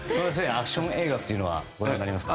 アクション映画はご覧になりますか。